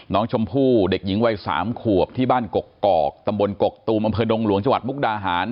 น้องชมพู่เด็กหญิงวัย๓ขวบที่บ้านกกอกตำบลกกตูมอำเภอดงหลวงจังหวัดมุกดาหาร